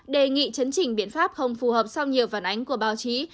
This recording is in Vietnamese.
đề nghị chấn chỉnh biện pháp không phù hợp sau nhiều phản ánh của báo chí